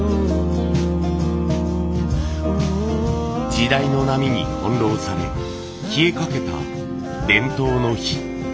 時代の波に翻弄され消えかけた伝統の灯。